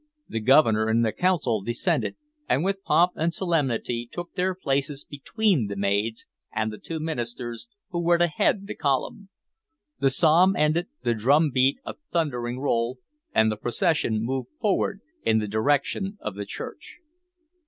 The Governor and the Council descended, and with pomp and solemnity took their places between the maids and the two ministers who were to head the column. The psalm ended, the drum beat a thundering roll, and the procession moved forward in the direction of the church.